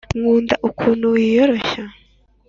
nkunda ukuntu wiyoroshya